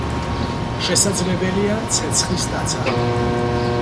შესაძლებელია, ცეცხლის ტაძარი.